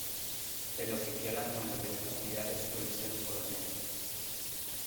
El oficial al mando de estas unidades suele ser un coronel.